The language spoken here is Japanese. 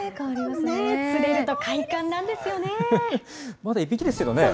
まだ１匹ですけどね。